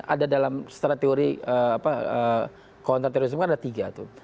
ada dalam setara teori kontraterorisme kan ada tiga tuh